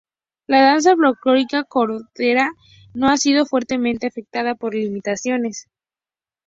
La danza folclórica coreana no ha sido fuertemente afectada por limitaciones.